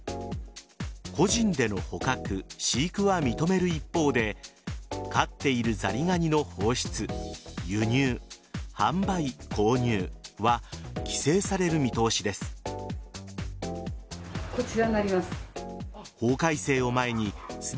個人での捕獲・飼育は認める一方で飼っているザリガニの放出輸入、販売、購入は規制される見通しです。